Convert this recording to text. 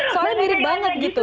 soalnya mirip banget gitu